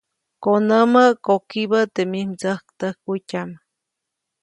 Konämä, kokibä teʼ mij mdsäktäjkutyaʼm.